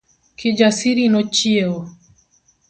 Kijasiri nochiewo